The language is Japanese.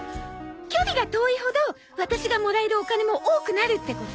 距離が遠いほどワタシがもらえるお金も多くなるってこと？